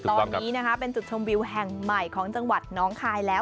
ตอนนี้นะคะเป็นจุดชมวิวแห่งใหม่ของจังหวัดน้องคายแล้ว